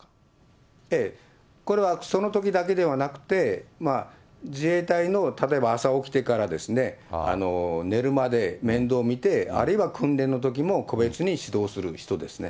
これはそのときだけではなくて、自衛隊の例えば朝起きてからですね、寝るまで面倒見て、あるいは訓練のときも個別に指導する人ですね。